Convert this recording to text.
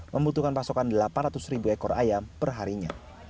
membutuhkan pasokan delapan ratus ribu ekor ayam perharinya